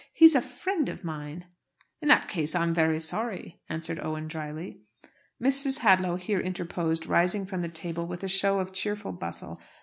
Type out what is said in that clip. "He's a friend of mine." "In that case I'm very sorry," answered Owen drily. Mrs. Hadlow here interposed, rising from the table with a show of cheerful bustle.